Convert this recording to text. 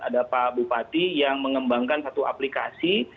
ada pak bupati yang mengembangkan satu aplikasi